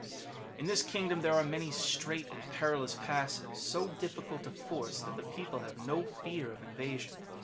^] In this kingdom there are many strait and perilous passes, so difficult to force that the people have no fear of invasion.